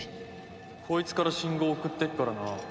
こいつから信号送ってっからな。